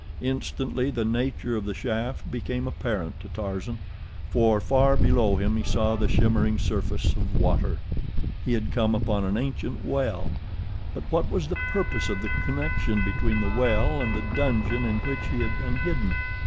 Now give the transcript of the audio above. Instantly the nature of the shaft became apparent to Tarzan, for far below him he saw the shimmering surface of water. He had come upon an ancient well—but what was the purpose of the connection between the well and the dungeon in which he had been hidden?